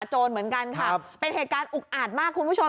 โจรเหมือนกันค่ะเป็นเหตุการณ์อุกอาจมากคุณผู้ชม